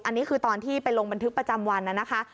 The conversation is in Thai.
อันนี้คือตอนที่ไปลงบันทึกประจำวันนะคะ